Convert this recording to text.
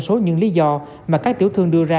số những lý do mà các tiểu thương đưa ra